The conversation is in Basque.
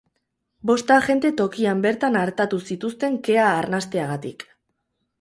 Bost agente tokian bertan artatu zituzten kea arnasteagatik.